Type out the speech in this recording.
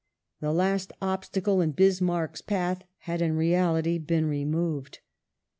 The last obstacle in Bismarck's path had in reality been removed.